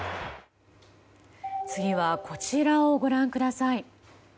次はこちらをご覧ください。